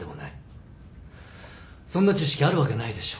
そんな知識あるわけないでしょう。